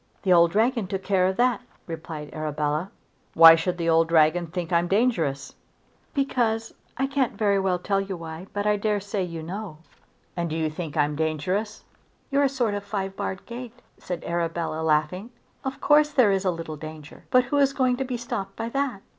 "The old dragon took care of that," replied Arabella. "Why should the old dragon think that I'm dangerous?" "Because ; I can't very well tell you why, but I dare say you know." "And do you think I am dangerous?" "You're a sort of a five barred gate," said Arabella laughing. "Of course there is a little danger, but who is going to be stopped by that?"